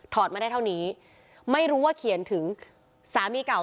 มาได้เท่านี้ไม่รู้ว่าเขียนถึงสามีเก่า